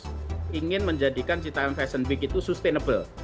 mereka harus ingin menjadikan cita fashion week itu sustainable